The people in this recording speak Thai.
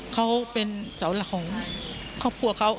เขาเป็นเสาหลักของครอบครัวเขา